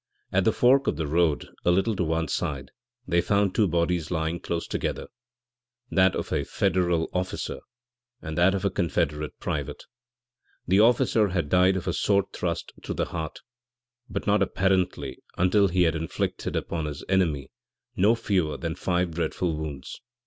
At the fork of the road, a little to one side, they found two bodies lying close together that of a Federal officer and that of a Confederate private. The officer had died of a sword thrust through the heart, but not, apparently, until he had inflicted upon his enemy no fewer than five dreadful wounds.